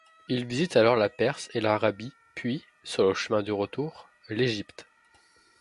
Il visite alors la Perse et l'Arabie puis, sur le chemin du retour, l'Égypte.